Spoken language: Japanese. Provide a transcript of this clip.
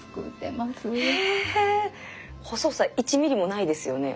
細さ１ミリもないですよね。